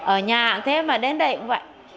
ở nhà thế mà đến đây cũng vậy